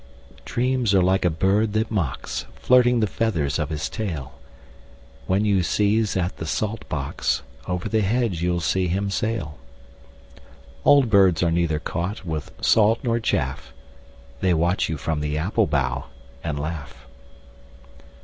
Dreams are like a bird that mocks, Flirting the feathers of his tail. When you sieze at the salt box, Over the hedge you'll see him sail. Old birds are neither caught with salt nor chaff: They watch you from the apple bough and laugh.